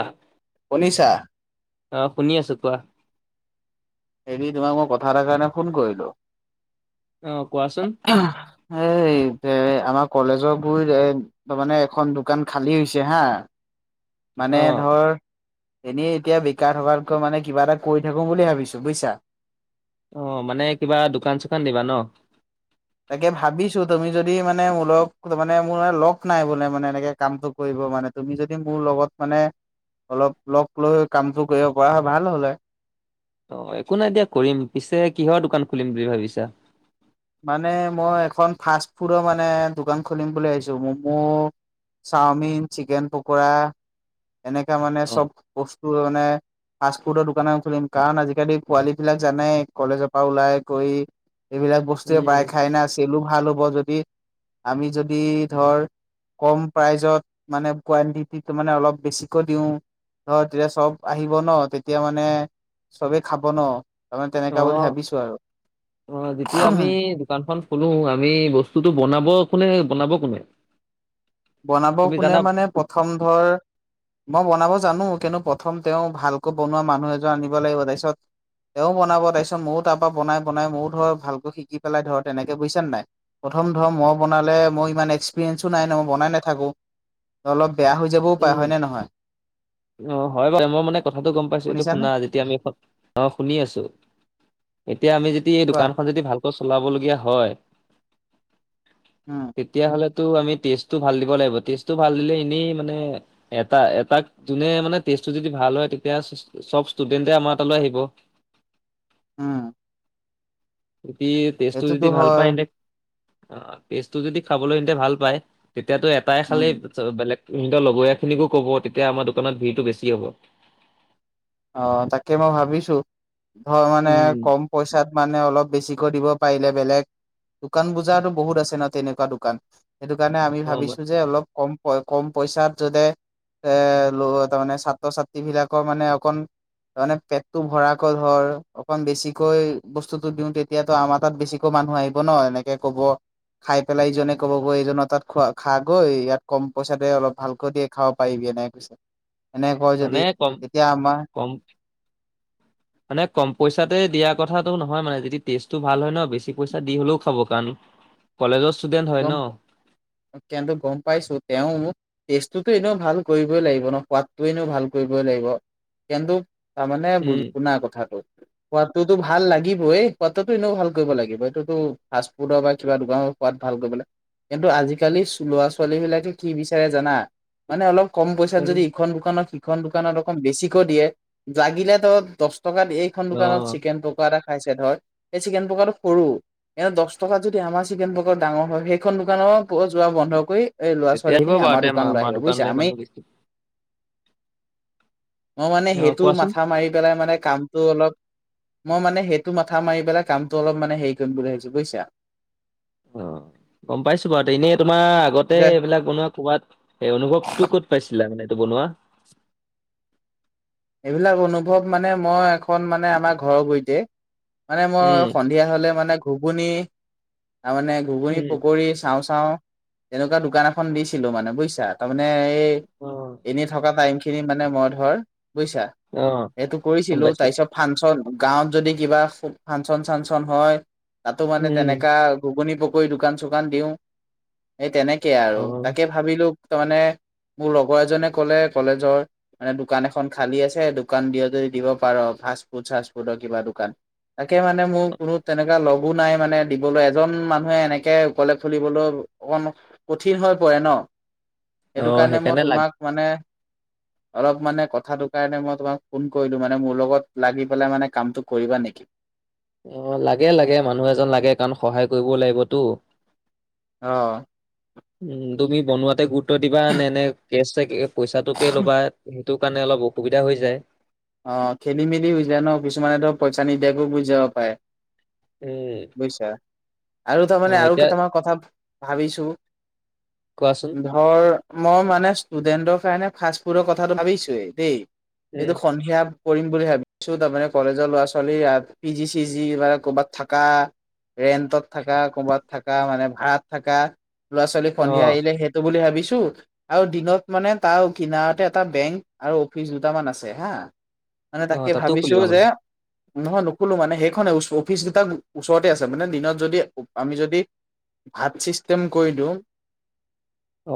আ শুনিছা অ শুনি আছো কোৱা হেৰি তোমাক মই কথা এটা কাৰণে ফোন কৰিলো অ কোৱাচোন এই যে আমাৰ কলেজৰ গুৰি এ তাৰ মানে এখন দোকান খালী হৈছে হা অ মানে ধৰ এনেই এতিয়া বিকাৰ থকাতকৈ মানে কিবা এটা কৰি থাকো বুলি ভাবিছো ত বুজিছা অ মানে কিবা দোকান চোকান দিবা ন তাকে ভাবিছো তুমি যদি মানে মোৰ লগ মানে মোৰ লগ নাই বোলে মানে এনেকে কামটো কৰিব। মানে তুমি যদি মোৰ লগত মানে অলপ লগ লৈ কামটো কৰিব পৰা হয় ভাল হলে অ একো নাই দিয়া কৰিম পিছে কিহৰ দোকান খুলিম বুলি ভাবিছা। মানে মই এখন ফাষ্ট ফুডৰ মানে দোকান খুলিম বুলি ভাবিছো ম'ম' চাওমিন চিকেন পকৰা এনেকা মানে অ চব বস্তুৰ মানে ফাষ্ট ফুডৰ দোকান খুলিম কাৰণ আজিকালি পোৱালী বিলাক জানে কলেজৰ পৰা ওলাই গৈ এইবিলাক বস্তুুৱে প্ৰায় উম খাই না চেলো ভাল হ'ব যদি আমি যদি ধৰ কম প্ৰাইজত মানে কোৱানটিটিটো মানে অলপ বেছিকৈ দিওঁ ধৰ তেতিয়া চব আহিব ন তেতিয়া মানে চবেই খাব ন তাৰমানে অ তেনেকা বুলি ভাবিছো অ যেতিয়া আমি আৰু দোকানখন খুলো আমি বস্তুটো বনাব কোনে বনাব কোনে বনাব তুমি কোনে জানা মানে প্ৰথম ধৰ মই বনাব জানো কিন্তু প্ৰথম তেওঁ ভালকৈ বনোৱা মানুহ এজন আনিব লাগিব তাৰপিছত। তেওঁ বনাব তাৰপিছত ময়ো তাৰ পৰা বনাই বনাই ময়ো ধৰ ভালকৈ শিকি পেলাই ধৰ তেনেকে বুজিছা নাই। প্ৰথম ধৰম মই বনালে মোৰ ইমান এক্সপিৰিয়েঞ্চো নাই ন মই বনাই নাথাকোঁ অলপ বেয়া হৈ যাবও পায় উম হয় নে নহয়। [inaudible] অ হয় বাৰু মই মানে কথাটো গম পাইছো এইটো শুনিছানে শুনা যেতিয়া আমি অ শুনি আছো। এতিয়া আমি যদি এই কোৱা দোকানখন যদি ভাল। চলাবলগীয়া হয় উম তেতিয়াহলে। টো আমি টেষ্ট টো ভাল দিব লাগিব টেষ্ট টো ভাল দিলে এনেই। মানে এটাক এটাক যোনে টেষ্ট টো যদি ভাল হয় তেতিয়া চব ষ্টুডেণ্ট তে আমাৰ তালৈ। আহিব। উম। যদি টেষ্টটো সেইটোতো যদি ভাল হয় পায় হেতে টেষ্টটো যদি খাবলৈ ভাল পায়। তেতিয়াতো এটাই উম খালেই বেলেগ। সিহঁতৰ লগৰীয়া খিনিকো কব তেতিয়া আমাৰ দোকানত ভিৰটো বেছি হ'ব। অ তাকে মই ভাবিছো। ধৰ মানে উম। কম পইচাত মানে অলপ বেছিকৈ দিব পাৰিলে বেলেগ। দোকান বজাৰো বহুত আছে ন তেনেকুৱা দোকান সেইটো কাৰণে আমি অ' ভাবিছো যে অলপ কম। কম পইচাত যতে এ ল তামানে ছাত্ৰ ছাত্ৰী বিলাকৰ মানে। কণ। তামানে পেটটো ভৰাকৈ ধৰ অকন বেছিকৈ বস্তুতটো দিওঁ তেতিয়াতো আমাৰ তাত বেছিকৈ মানুহ। নোৱাৰিব ন এনেকে কব। খাই পেলাই ইজনে ক'ব গৈ এইজনৰ তাত খোৱা খ গৈ ইয়াত কম পইচাতে অলপ ভালকৈ দিয়ে খাব পাৰিবি। কৈ এনেক কয় যদি মানে কম তেতিয়া আমাৰ। কম। মানে কম পইচাতে দিয়া কথাটো নহয় মানে যদি টেষ্টটো ভাল হয় ন বেছি পইচা দি হ'লেও খাব কাৰণ। কলেজত। গম এতিয়াত গম পাইছো তেও। টেষ্টটোতো এনেও ভাল কৰিবই লাগিব ন সোৱাদটো এনেও ভাল কৰিবই লাগিব কিন্তু। তাৰমানে বু উম। শুনা কথাটো। সোৱাদটোতো ভাল লাগিবই এই সোৱাদটোতো ভাল লাগিবই সোৱাদটো এনেও ভাল কৰিব লাগিব এইটোতো ফাষ্ট ফুডৰ বা কিবা দোকানৰ সোৱাদ। ভাল কৰিবলে কিন্তু আজিকালি ল'ৰা ছোৱালী বিলাকে কি বিচাৰে জানা মানে অলপ। কম পইচাত যদি ইখন দোকানত সিখন দোকানত অকণ বেছিকৈ দিয়ে লাগিলে তো দহ। টকা এইখন দোকানত অ'। চিকেন পকৰা টা। খাইছে ধৰ সেই চিকেন পকাটো সৰু এনে দহ টকাত যদি আমাৰ চিকেন পকৰা। ডাঙৰ হয় সেইখন দোকানৰ যোৱা বন্ধ কৰি। এই ল'ৰা তেতিয়া ছোৱালী আহিব খিনি বাৰু আমাৰ তে দোকানলৈ আহিব বুজিছা দোকানলৈ আমি। মানুহ বেছি মই মানে অ সেইটো কোৱাচোন মাথা মাৰি পেলাই মানে কামটো অলপ। মই মানে সেইটো মাথা মাৰি পেলাই কামটো অলপ মান হেৰি কৰিম বুলি ভাবিছো বুজিছা। অ গম পাইছো বাৰ এনেই। তোমাৰ আগতে এতিয়া এইবিলাক বনোৱা কৱাত হে অনুভৱতটো ক'ত পাইছিলা মানে। বনোৱা। এইবিলাক অনুভৱ মানে মই এখন মানে আমাৰ ঘৰৰ গৈতে। মানে মই উম সন্ধিয়া হলে মানে ঘুগুনি তাৰ মানে ঘুগুনি উম পকী চাওঁ। খাওঁ এনেকুৱা দোক এ দিছিলো মানে বুজ তাৰে এই অ এনে থকা টাইম। খিনি মানে মই ধৰ বুজিছা অ এইটো গম কৰিছিলো পাইছো তাৰ পিছত ফাংচন। গাঁৱত যদি কিবা ফাংচন চাংচন হয় তাতো মানে উম তেনেককা ঘুগুনি প। কৈ দোকান চোকান দিও এই তেনেকে আৰু অ তাকে ভাবিলো। তাৰ মানে মোৰ লগৰ এজনে কলে কলেজৰ মানে দোকান এ। খন খালী আছে দোকান দিয় যদি দিব পাৰ ফাষ্ট ফুড চাষ্ট ফুডৰ কিবা দোকান। তাকে মানে মোৰ কোনো তেনেকুৱা লগো নাই মানে দিবলৈ এজন মানুহে এনেকে অকলে খুলিবলো। অণ কঠিন হৈ পৰে ন। অ সেইটো কাৰণে মই সেইকাৰণে লাগ তোমাক মানে অলপ মানে ক। কথাটো কাৰণে মই তোমাক ফোন কৰিলো মানে মোৰ লগত লাগি পেলাই মানে কামটো কৰিবা নেকি। অ লাগে লাগে মানুহ এজন লাগে কাৰণ সহায় কৰিবও লাগিবতো। অহ। উম তুমি বনোৱাতে গুৰুত্ব দিবা, নে নে কেচ পইচাটোকে ল'বা? টো কাৰণে অলপ অসুবিধা হৈ যায়? অ খেলি মেলি হৈ যায় ন, কিছুমানে ধো পইচা নিদিয়াকৈ গোছি যাব পাৰে। উম বুজছা, আৰু অ তাৰমানে আৰু এতিয়া কেতামাৰ কথা। ভাবিছো, কোৱাচোন ধৰ। মই মানে ষ্টুডেণ্টৰ কাৰণে ফাষ্ট-ফুডৰ কথাটো ভাবিছোৱেই দেই,। এইটো উম। সন্ধিয়া কৰিম বুলি ভাবিছো, তাৰমানে কলেজৰ ল'ৰা ছোৱালী পি, জি চি, জি বা ক'বাত থাকা। ৰেণ্টত থাকা, ক'ৰবাত থাকা, মানে ভাড়াত থাকা,। ল'ৰা ছোৱালী অ সন্ধিয়া আহিলে সেইটো বুলি ভাবি। আৰু দিনত মানে তাৰ কিনাৰতে এটা বেংক আৰু অফিচ দুটামান আছে হা। মানে, অ তাকে তাতো ভাবিছো খুলিবা যে। মানে নহয় নুখোলো মানে সেইখনে অফিচগিতা ওচৰতে আছে, মানে দিনত যদি আমি যদি-। ভাত চিষ্টেম কৰি দিওঁ,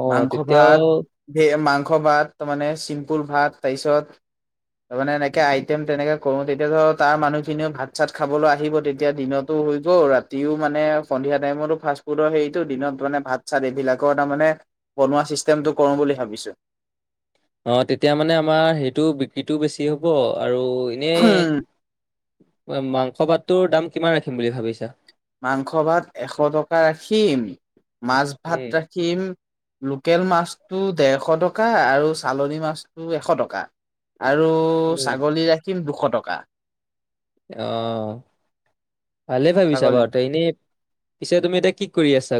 অ মাংস-ভাত, তেতিয়াও মাংস। মাংস ভাত, তাৰ মানে চিম্পুল ভাত, তাৰপিছত। তাৰ মানে এনেকে আইটেম তেনেকে কৰো, তেতিয়াতো তাৰ মানুহখিনিও ভাত চাত খাবলৈ আহিব তেতিয়া দিনত। হৈ গ ৰাতিও মানে সন্ধিয়া টাইমতো ফাষ্ট ফুডৰ হেৰিটো, দিনত মানে ভাত চাত এইবিলাকও তাৰ মানে। বনোৱা চিষ্টেমটো কৰো বুলি ভাবিছো? অ তেতিয়া মানে আমাৰ সেইটো বিক্ৰীটো বেছি হ'ব। আৰু এনেই, মাংস ভাতটোৰ দাম কিমান ৰাখিম বুলি ভাবিছা? মাংস ভাত এশ টকা ৰাখিম। মাছ উম ভাত ৰাখিম, লোকেল মাছ। টো ডেৰশ টকা, আৰু চালনী মাছটো এশ টকা। আৰু উম ছাগলী ৰাখিম দুশ টকা। অহ। ভালে ভাবিছা ছাগলী বাৰু ত, এনেই পিছে তুমি এতিয়া কি কৰি আছা?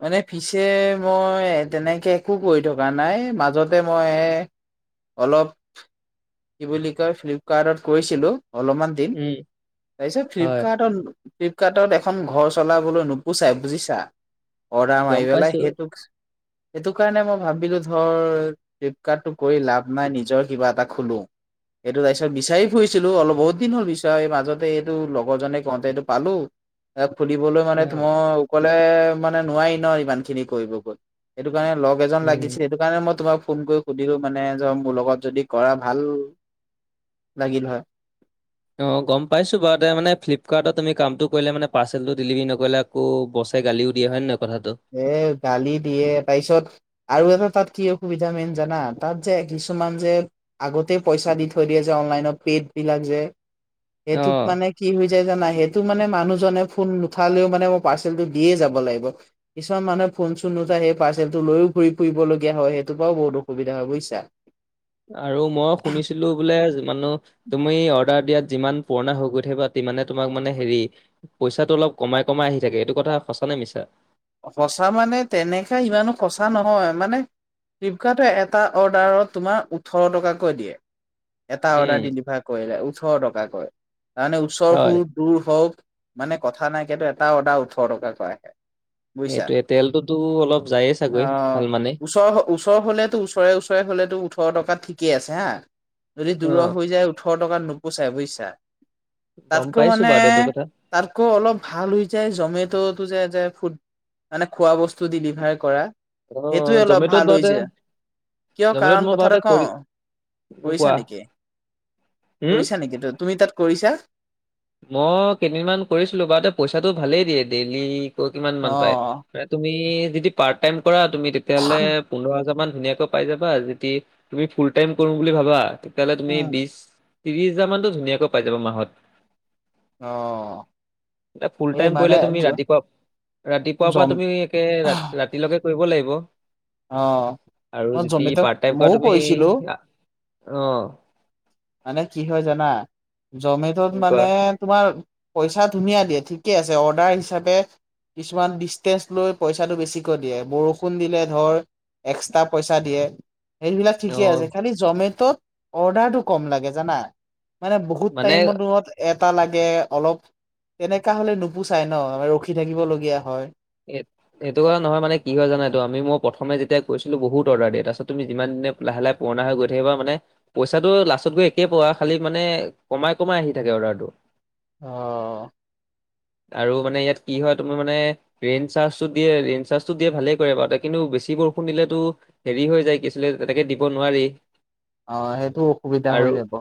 মানে ফিছে মই তেনেকে একো কৰি থকা নাই, মাজতে মই। অলপ, কি বুলি কয় ফ্লিপকাৰ্টত কৰিছিলোঁ। অলপমান দিন, উম তাৰপিছত হয় ফ্লিপকাৰ্ট। ফ্লিপকাৰ্টত এখন ঘৰ চলাবলৈ নুপুচাই বুজিছা। অৰডাৰ মাৰি গম পেলাই পাইছো সেইটোক [unintelligible] সেইটো কাৰণে মই ভাবিলো ধৰ ফ্লিপকাৰ্টটো কৰি লাভ নাই, নিজৰ কিবা এটা খোলো। এইটো তাৰপিছত বিচাৰি ফুৰিছিলো অলপ বহুত দিন হ'ল বিচাৰা, এই মাজতে এইটো লগৰ জনে কওঁতে এইটো পালো। এ খুলিবলৈ অ মানে ত মই অকলে মানে নোৱাৰি ন ইমান খিনি কৰিব গৈ, এটো স কাৰণে লগ এজন উম লাগিছিল, সেইটো কাৰণে মই তোমাক ফোন কৰি সুধিলো, মানে যে মোৰ লগত যদি কৰা ভাল লাগিল হয়। অ গম পাইছো বাৰু, মানে ফ্লিপকাৰ্টত তুমি কামটো কৰিলে মানে পাৰ্চেলটো ডেলিভাৰী নকৰিলে আকৌ বস্ত চে গালিও দিয়ে হয়নে নহয়? কথাটো? এ গালি দিয়ে তাৰপিছত আৰু এটা তাত কি অসুবিধা মেইন জানা, তাত যে কিছুমান যে আগতে পইচা দি থৈ দিয়ে যে অনলাইন ত। কিত বিলাক যে, সেইটোত অ মানে কি হৈ যায় জানা টো মানে মানুহজনে ফোন নুঠালেও মানে মই পাৰ্চেলটো দিয়ে যাব লাগিব। কিছুমান মানুহে ফোন চোন নুঠাই সেই পাৰ্চেলটো লৈও ঘূৰি ফুৰিবলগীয়া হয়, সেইটোৰ পৰাও বহুত অসুবিধা হয় বুজিছা। আৰু মই শুনিছিলো বোলে মানে, তুমি অৰ্ডাৰ দিয়াত যিমান পুৰণা হৈ গৈ থাকিবা, তিমানে তোমাক মানে হেৰি পইচাটো অলপ কমাই কমাই আহি থাকে, এইটো কথা সঁচা নে মিছা? সঁচা মানে তেনেকে ইমানো সঁচা নহয় মানে। ফ্লিপকাৰ্টে এটা অৰ্ডাৰত তোমাৰ ওঠৰ টকাকৈ দিয়ে। এটা অৰ্ডাৰ উম ডেলিভাৰ কৰিলে ওঠৰ টকাকৈ, তাৰমানে ওচৰ হয় সুৰ দূৰ হওক মানে কথা নাই কিন্তু এটা অৰ্ডাৰ ওঠৰ টকাকৈ আহে। বুজিছা, এইটোৱে তেলটোতো অলপ যায়েই চাগৈ অহঁ ভাল মানে ওচৰ ওচৰ হ'লেতো ওচৰে ওচৰে- হ'লেতো ওঠৰ টকা ঠিকেই আছে হাঁ। যদি অ দূৰ হৈ যায় ওঠৰ টকাত নোপোচাই বুজিছা। গম তাতকৈ পাইছো মানে বাৰু এইটো কথা তাতকৈ অলপ ভাল হৈ যায় জমেটত- যে যে ফুড মানে খোৱা বস্তু ডিলিভাৰ কৰা। অ এইটোয়ে অলপ জমেট'ত ভাল বাৰুতে হৈছে। কিয় জমেট'ত কাৰণ মই কথা এটা বাৰুতে কওঁ, কৰি কৰিছা কোৱা নেকি? উম কৰিছা নেকি তুমি তাত কৰিছা? মই কেইদিন মান কৰিছিলো বা দে। পইচাটো ভালেই দিয়ে ডেইলি- কিমান মান পাই, অ', মানে তুমি যদি পাৰ্ট টাইম কৰা তুমি তেতিয়াহ'লে পোন্ধৰ হাজাৰ মান- ধুনীয়াকৈ পাই যাবা। যদি তুমি ফুল টাইম কৰো বুলি ভাবা তেতিয়াহলে তুমি উম, বিশ- ত্ৰিশ হাজাৰ মানতো ধুনীয়াকৈ পাই যাব মাহত। অঁ। ফুল টাইম কৰিলে তুমি ৰাতিপুৱা ৰাতিপুৱা পৰা জম তুমি একে ৰাতিলৈকে- কৰিব লাগিব। অহ আৰু মই যদি জমেটক পাৰ্ট টাইম মইও কৰা কৈছিলো তুমি- অঁ। মানে কি হয় জানা জমেটত কি মানে কয় তোমাৰ- পইচা ধুনীয়া দিয়ে ঠিকে আছে অৰ্ডাৰ হিচাপে- কিছুমান ডিচটেঞ্চ লৈ পইচাটো বেছিকৈ দিয়ে। বৰষুণ দিলে ধৰ- এক্সট্ৰা পইচা দিয়ে। সেইবিলাক ঠিকে আছে অ' খালি জমেটত অৰ্ডাৰটো কম লাগে জানা। মানে বহুত মানে টাইমত দূৰত এটা- এটা লাগে অলপ তেনেকা হ'লে নোপোচাই ন ৰখি থাকিবলগীয়া হয়। এ এইটো কথা নহয় মানে কি হয় জানা এইটো আমি মই প্ৰথম যেতিয়া কৰিছিলোঁ বহুত অৰ্ডাৰ দিয়ে। তাৰপিছত তুমি যিমান- লাহে লাহে পুৰণা হৈ গৈ থাকিবা মানে পইচাটো লাষ্টত গৈ একে পোৱা খালি মানে কমাই কমাই আহি থাকে। থাকে অৰ্ডাৰ টো। অহঁ। আৰু মানে ইয়াত কি হয় তোমাৰ মানে- ৰেইন চাৰ্জটো দিয়ে ৰেইন চাৰ্জটো দিয়ে ভালেই কৰে বাৰু কিন্তু বেছি বৰষুণ দিলেতো হেৰি হৈ যায় কি হৈছিলে- তেনেকে দিব নোৱাৰি। অঁ সেইটো অসুবিধা আৰু হৈ যাব।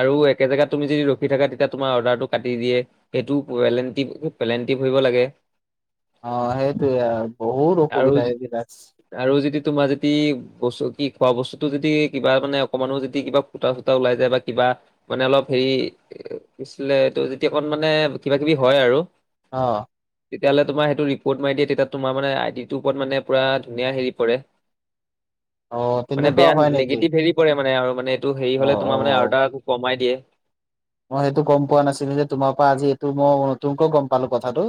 আৰু একে জেগাত তুমি যদি ৰখি থাকা তেতিয়া তোমাৰ অৰ্ডাৰটো কাটি দিয়ে সেইটো পেলেণ্টি পেলেণ্টি ভৰিব লাগে। [unintelligible] অ সেইটোয়ে আৰু বহুত আৰু অসুবিধা এইবিলাক আৰু যদি তোমাৰ যদি-। বস্তু কি খোৱা বস্তুটো যদি কিবা মানে অকণমানো যদি কিবা ফুটা চুটা ওলাই যায় বা কিবা মানে অলপ-। হেৰি এ কিছিলে যেতিয়া অকণ মানে কিবা কিবি হয় আৰু-। অঁ। তেতিয়াহ'লে তোমাৰ সেইটো ৰিপৰ্ট মাৰি দিয়ে। তেতিয়া তোমাৰ মানে আই ডিটোৰ ওপৰত মানে পোৰা ধুনীয়া হেৰি পৰে। অ মানে তেনেকুৱা বেয়া হয় নেকি নিগেটিভ হেৰি পৰে-। মানে আৰু মানে এইটো হেৰি অ হ'লে অ তোমাৰ মানে অ অৰ্ডাৰ কমাই দিয়ে। মই সেইটো গম পোৱা নাছিলো যে তোমাৰ পৰা আজি এইটো মই নতুনকৈ গম পালো কথাটো।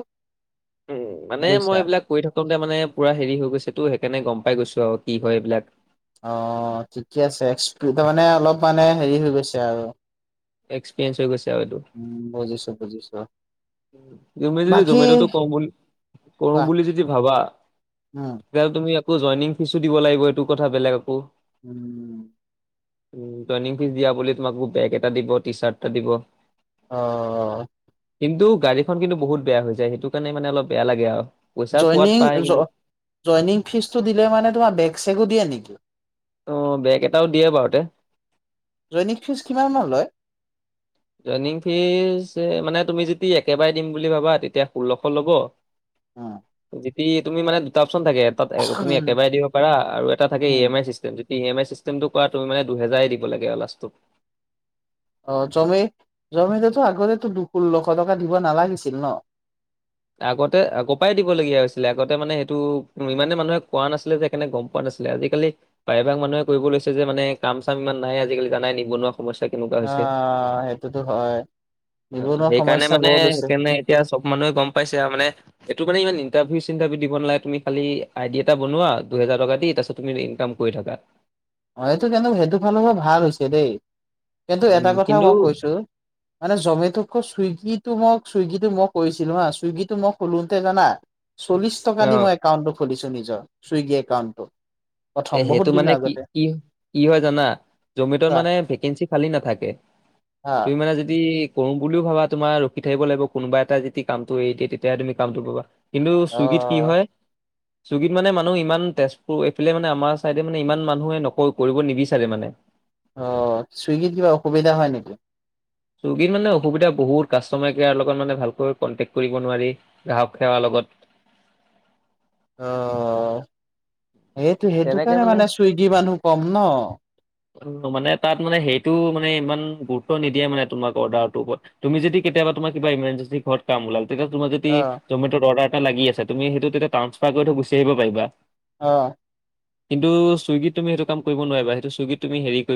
উমঁ মানে মই বুজিছা এইবিলাক কৈ থাকোতে মানে পুৰা হেৰি হৈ গৈছে তো সেইকাৰণে গম পাই গৈছো। ত কি হয় এইবিলাক। অঁ ঠিকে আছে এক্স তাৰমানে অলপ মানে হেৰি হৈ গৈছে আৰু। এক্সপিৰিয়েঞ্চ হৈ গৈছে আৰু এইটো উমঁ বুজিছো বুজিছো। তুমি যদি বাকী জমেটটো কম বুলি কৰো কোৱা বুলি যদি ভাবা-। উম তুমি আকৌ জয়নিং ফিজো দিব লাগিব এইটো কথা বেলেগ আকৌ। উমঁ। জয়নিং ফিজ দিয়া বুলি তোমাকো বেগ এটা দিব, টি চাৰ্ট এটা দিব। অঁ অঁ। কিন্তু গাড়ীখন কিন্তু বহুত বেয়া হৈ যায় সেইটো কাৰণে মানে অলপ বেয়া লাগে আৰু। পইচা পোৱাত যইনিগ, পায় কিন্তু জইং ফিজটো দিলে মানে তোমাৰ বেগ চেগো দিয়ে নেকি? অ বেগ এটাও দিয়ে বাৰুতে জৈননিক ফীজ কিমান মান লয়। জইনিং ফিজ মানে তুমি যদি একেবাৰে দিম বুলি ভাবা তেতিয়া ষোল্লশ ল'ব। উম যতিয়া তুমি মানে দুটা। ন থাকে তাত তুমি একেবাৰে দিব পাৰা আৰু এটা থাকে E um M I system. E M I চিষ্টেমটো কৰা তুমি মানে দুহেজাৰেই দিব লাগে অলাষ্টটোত। অ জমি, জমিটোতো আগতে দু ষোল্লশ টকা দিব নালাগিছিল ন। আগতে ক পৰাাই দিব লগগীয়া হৈছিলে আগতে মানে সেইটো ইমানে মানুহে কোৱা নাছিলে যে কেনে গম পোৱা নাছিলে। ছিলে আজিকালি প্ৰায়ভাগ মানুহে কৰিব লৈছে যে মানে কাম চাম ইমান নাহে আজিকালি জানাই নিবনুৱা। সমস্যা কেনেকুৱা অ হৈছে। সেইটোতো হয়। অ নিবনুৱা সেইকাৰণে সমস্যা মানে বৰ লৈছে সেইকাৰণে এতিয়া চব মানুহে গম পায়। ম এইটো মানে ইমান ইটাৰভি চটাৰভিউ দিব নালে তুমি খালি আইডিয়া এটা বনোৱা দুহেজাৰ টকা দি। তুমি ইনকাম কৰি থাকাত। অ এইটো কিন্তু সেইটো ফালৰ পৰা ভাল হৈছে দেই। কিন্তু এটা উম, কথা কিন্তু মই কৈছো, মানে জমেট চুইগিটো মই চুইগ। মই কৰিছিলো হ চুইগটো মই খলোতে জানা, চল্লশ টকা দি অ' মই একাউন্টো খুলিছিলো। খুলিছোঁ নিজৰ সুইগী একাউত টো। এ সেইটো মানে কি। কি হয় জানা, জমেটত কোৱা মানে ভেকেঞ্চি খালী নাথাকে। হা তুমি মানে যদি। কৰো বুলিও ভাবা তোমাৰ ৰখি থাকিব লাগিব কোনোবা এটা যদি কামটো এৰি দিয় তেতিাহে তুমি কামটো পাবা। কিন্তু অ চুইগীত কি হয়, চুইগীত মানে মানুহ ইমান তেজপুৰ এইফালে মানে। আমাৰ চাইডে মানে ইমান মানুহে নক কৰিব নিবিচাৰে মানে। অ চুইগিত কিবা অসুবিধা হয় নেকি? চুইগিত মানে অসুবিধা বহুত কাষ্টমাৰ কেয়াৰৰ লগত মানে ভালকৈ কণ্টেক্ট কৰিব নোৱাৰি গ্ৰাহক সেৱাৰ লগত। লগত। অ। সেইটো সেইটো কাৰণে মানে চুইগি মানুহ কম ন। অ মানে তাত মানে সেইটো মানে ইমান গুৰুত্ব নিদিয়ে মানে তোমাক অৰ্ডাৰটোৰ ওপৰত তুমি যদি কেতিয়। তোমাৰ ইমাৰজেন্সী, ঘৰত কাম ওলাল। তে তেতিয়া তোমাৰ যদি অ জমেটত অৰ্ডাৰ এটা লাগি আছে, তুমি সেইটো তেতিয়া ট্ৰান্ঞ্চফাৰ কৰি থ গুচি আহিব পাৰিবা। অ। কিন্তু চুইগীত তুমি সেইটো কাম কৰিব নোৱাৰিবা। সেইটো চুইগীত তুমি হেৰি কৰি